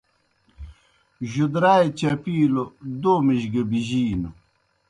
جُدرائے چپِیلوْ دومِجیْ گی بِجِینوْ